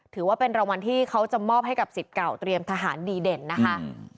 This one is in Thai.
ถือว่าเป็นรางวัลที่เขาจะมอบให้กับสิทธิ์เก่าเตรียมทหารดีเด่นนะคะ